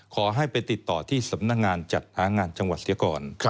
ขอให้ไปติดต่อที่สำนักงานจัดหางานจังหวัดเสียก่อน